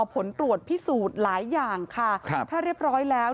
ผลตรวจพิสูจน์หลายอย่างค่ะครับถ้าเรียบร้อยแล้ว